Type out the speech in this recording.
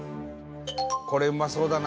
これ、うまそうだな。